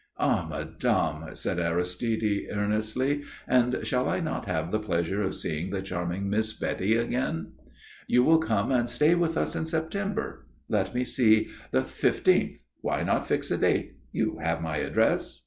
"Ah, madame," said Aristide earnestly. "And shall I not have the pleasure of seeing the charming Miss Betty again?" "You will come and stay with us in September. Let me see? The fifteenth. Why not fix a date? You have my address?